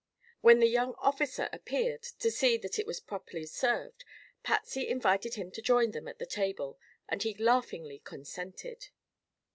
When the young officer appeared to see that it was properly served, Patsy invited him to join them at the table and he laughingly consented.